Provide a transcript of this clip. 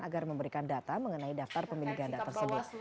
agar memberikan data mengenai daftar pemilih ganda tersebut